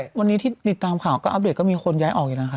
วันนี้ที่ติดตามข่าวก็อัปเดตก็มีคนย้ายออกอยู่แล้วค่ะ